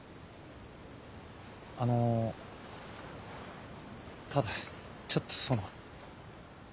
あのただちょっとその。